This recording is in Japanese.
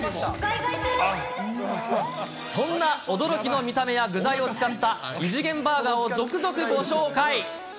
そんな驚きの見た目や具材を使った異次元バーガーを続々ご紹介。